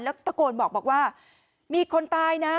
แล้วตะโกนบอกว่ามีคนตายนะ